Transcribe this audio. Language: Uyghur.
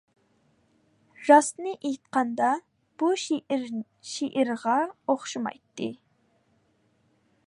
راستىنى ئېيتقاندا، بۇ شېئىر شېئىرغا ئوخشىمايتتى.